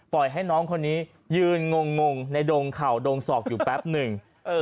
ให้น้องคนนี้ยืนงงในดงเข่าดงศอกอยู่แป๊บหนึ่ง